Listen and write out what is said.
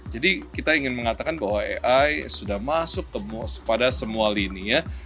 jadi kita ingin mengatakan bahwa ai sudah masuk kepada semua lini